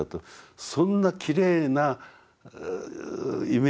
そんなきれいなイメージをですね